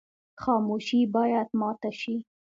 خاموشي باید ماته شي.